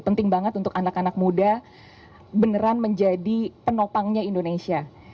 penting banget untuk anak anak muda beneran menjadi penopangnya indonesia